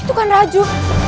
itu kan raju